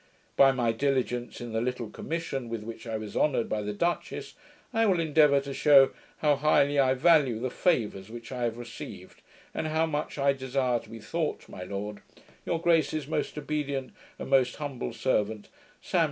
By my diligence in the little commission with which I was honoured by the duchess, I will endeavour to shew how highly I value the favours which I have received, and how much I desire to be thought, My lord, Your grace's most obedient, and most humble servant, SAM.